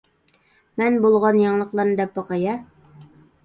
مەن بولغان يېڭىلىقلارنى دەپ باقاي ھە!